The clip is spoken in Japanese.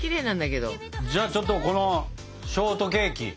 じゃあちょっとこのショートケーキ。